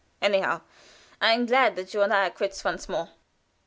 Anyhow I am glad that you and I are quits once more."